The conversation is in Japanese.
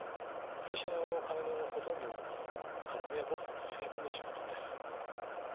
会社の金のほとんどを角宮興産につぎ込んでしまったんです。